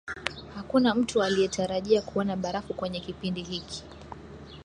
hakuna mtu aliyetarajia kuona barafu kwenye kipindi hiki